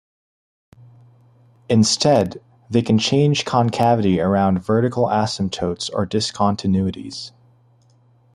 Instead, they can change concavity around vertical asymptotes or discontinuities.